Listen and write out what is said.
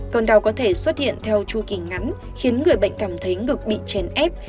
cơn đau có thể xuất hiện theo chu kỳ ngắn khiến người bệnh cảm thấy ngực bị chèn ép